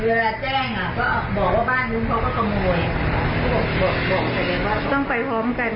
แต่ไม่ได้เอาบ้านนี้เวลาแจ้งก็บอกว่าบ้านนู้นเขาก็ขโมย